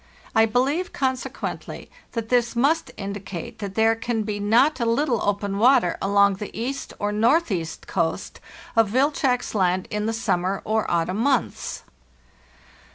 I believe, consequently, that this must indicate that there can be xot a ttle open water along the cast or northeast coast of Wilczek's Land in the summer or autumn months.